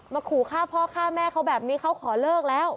ขู่ฆ่าพ่อฆ่าแม่เขาแบบนี้เขาขอเลิกแล้ว